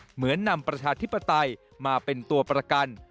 เหมือนนำประชาธิปไตยมาเป็นตัวประกัน